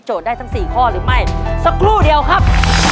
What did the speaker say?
ได้ทั้ง๔ข้อหรือไม่สักครู่เดียวครับ